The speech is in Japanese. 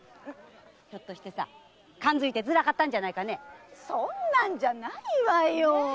ひょっとして感づいてずらかったんじゃ⁉そんなんじゃないわよ！